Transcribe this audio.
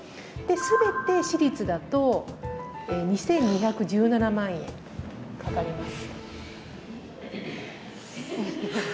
すべて私立だと２２１７万円かかります。